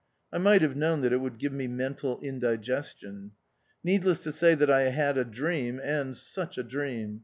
I might have known that it would give me mental indigestion. Needless to say that I had a dream, and such a dream